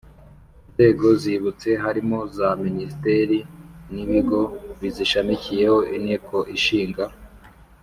nzego zibutse harimo za Minisiteri n ibigo bizishamikiyeho Inteko ishinga